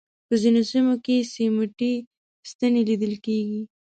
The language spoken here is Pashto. په ځینو سیمو کې سیمټي ستنې لیدل کېږي.